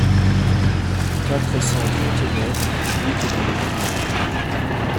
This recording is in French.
quatre cent trente-neuf route de Lestrilles